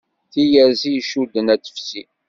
Tiyersi icudden ar tefsi.